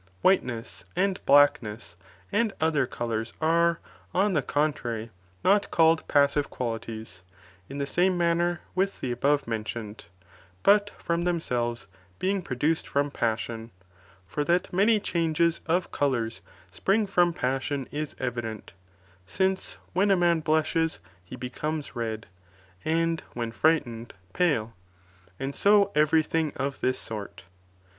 Whiteness, 1 Eiwntionin "'"'^ blackness, and other colours are, on the con Uip piue of CO trary, not called passive qualities in the same man ner with the above mentioned, but from themselves being produced from passion j for that many changes of co lours spring from passion is evident, since when a man blushes he becomes red, and when frightened, pale, and so every thing of this sort.